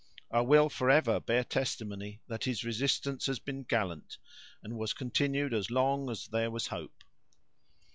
I will forever bear testimony that his resistance has been gallant, and was continued as long as there was hope."